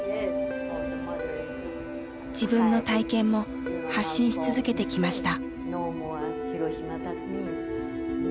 自分の体験も発信し続けてきました。